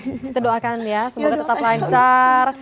kita doakan ya semoga tetap lancar